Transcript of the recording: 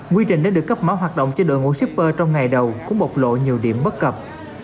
quy trình đã được cấp máu hoạt động cho đội ngũ shipper trong ngày đầu cũng bột lộ nhiều điểm bất cập